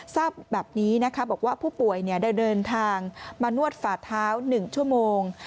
ทราบแบบนี้นะคะบอกว่าผู้ป่วยได้เดินทางมานวดฝ่าเท้า๑ชั่วโมง